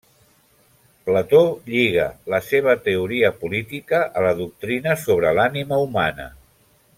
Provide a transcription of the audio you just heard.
Plató lliga la seva teoria política a la doctrina sobre l'ànima humana.